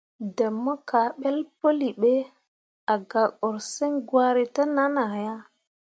Ɗəḅ mo kaaɓəl pəli ɓe, a gak ursəŋ gwari təʼnan ah ya.